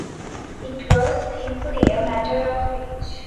It was simply a matter of age.